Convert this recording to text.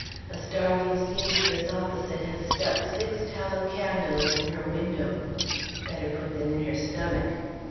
A starving seamstress opposite has stuck six tallow candles in her window; better put them in her stomach!